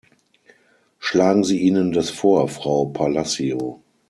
Schlagen Sie ihnen das vor, Frau Palacio.